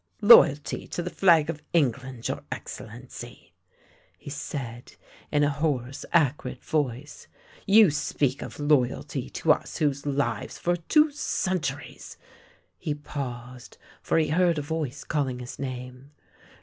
" Loyalty to the flag of England, your Excellency !" he said, in a hoarse, acrid voice. " You speak of loy alty to us whose lives for two centuries !" He paused, for he heard a voice calling his name.